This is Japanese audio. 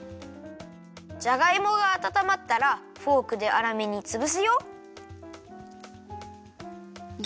じゃがいもがあたたまったらフォークであらめにつぶすよ。